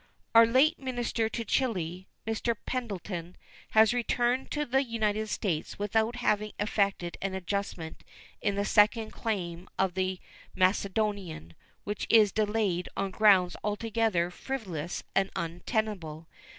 Our late minister to Chili, Mr. Pendleton, has returned to the United States without having effected an adjustment in the second claim of the Macedonian, which is delayed on grounds altogether frivolous and untenable.